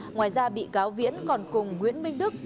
ngoài ra bị cáo viễn còn cùng nguyễn minh đức